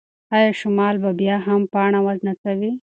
ایا شمال به بیا هم پاڼه ونڅوي؟